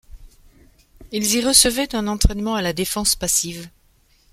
Ils y recevaient un entraînement à la défense passive.